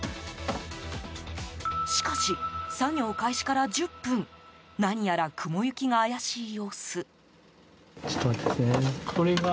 しかし、作業開始から１０分何やら雲行きが怪しい様子。